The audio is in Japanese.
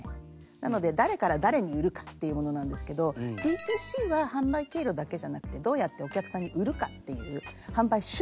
なので誰から誰に売るかっていうものなんですけどＤ２Ｃは販売経路だけじゃなくてどうやってお客さんに売るかっていう販売手段みたいなことを言っています。